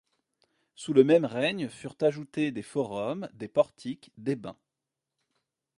Sous le même règne furent ajoutés des forums, des portiques, des bains.